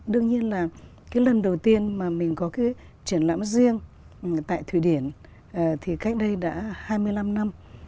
đương nhiên là cái lần đầu tiên mà mình có cái triển lãm riêng tại thủy điển thì cách đây đã hai mươi năm năm